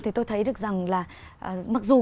thì tôi thấy được rằng là mặc dù